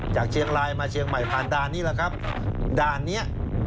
จากเชียงรายมาเชียงใหม่ผ่านด้านนี้